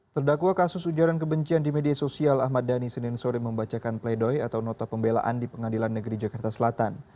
terdakwa kasus ujaran kebencian di media sosial ahmad dhani senin sore membacakan pledoi atau nota pembelaan di pengadilan negeri jakarta selatan